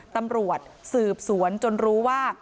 ตำรวจสืบสวนจนรู้ว่า